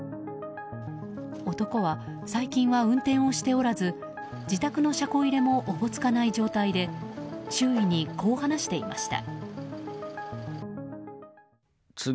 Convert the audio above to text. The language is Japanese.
男は最近は運転をしておらず自宅の車庫入れもおぼつかない状態で周囲に、こう話していました。